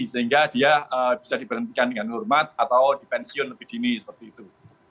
sehingga dia bisa diberhentikan dengan hormat atau dipensiun lebih dini seperti itu